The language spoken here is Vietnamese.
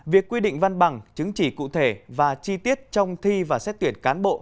việc quy định văn bằng chứng chỉ cụ thể và chi tiết trong thi và xét tuyển cán bộ